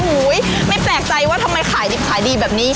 โอ้โหไม่แปลกใจว่าทำไมขายดิบขายดีแบบนี้